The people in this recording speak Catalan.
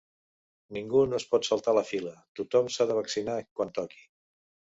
Ningú no es pot saltar la fila, tothom s’ha de vaccinar quan toqui.